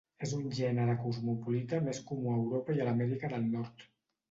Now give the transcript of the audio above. És un gènere cosmopolita, més comú a Europa i a l'Amèrica del Nord.